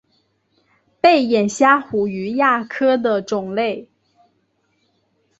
背眼虾虎鱼亚科的种类。